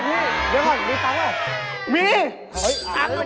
เดี๋ยวนะมีใช้